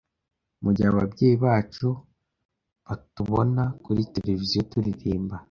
mu gihe ababyeyi bacu batubona kuri Televiziyo turirimba